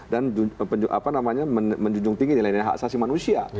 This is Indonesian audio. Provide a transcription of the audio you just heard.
dan menjunjung tinggi nilainya hak asasi manusia